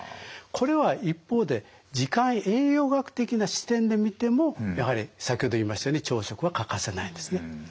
これは一方で時間栄養学的な視点で見てもやはり先ほど言いましたように朝食は欠かせないんですね。